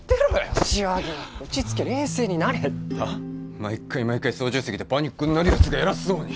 毎回毎回操縦席でパニックになるやつが偉そうに。